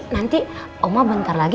nanti oma bentar lagi